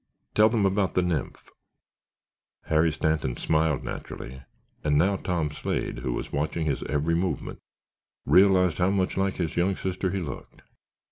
Tell them about the Nymph." Harry Stanton smiled naturally and now Tom Slade, who was watching his every movement, realized how much like his young sister he looked.